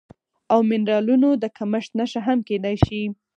او منرالونو د کمښت نښه هم کیدی شي